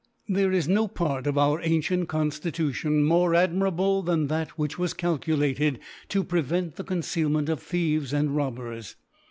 There is no Part of our ancient Conftitu tion more admirable than that which was calculated to prevent the Concealment of Thievcsi and Robbers.